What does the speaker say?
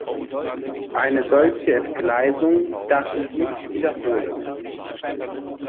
Eine solche Entgleisung darf sich nicht wiederholen.